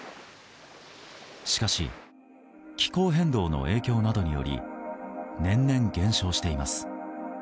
しかし気候変動の影響などにより年々、減少しています。